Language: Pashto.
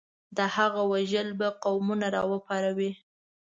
د هغه وژل به قومونه راوپاروي.